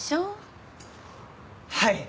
はい。